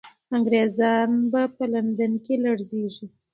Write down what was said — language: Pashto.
انګریزان به په لندن کې لړزېږي.